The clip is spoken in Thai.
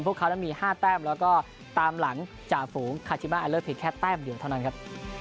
พวกเขานับมีห้าแต้มแล้วก็ตามหลังจ่าฝูงคาจิม่าแค่แต้มเดียวเท่านั้นครับ